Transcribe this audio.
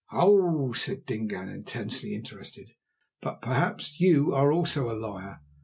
"Ow!" said Dingaan, intensely interested. "But perhaps you are also a liar.